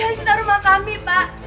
pak jangan sita rumah kami pak